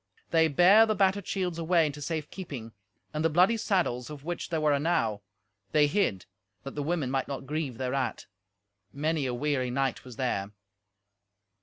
They bare the battered shields away into safe keeping; and the bloody saddles, of which there were enow, they hid, that the women might not grieve thereat. Many a weary knight was there.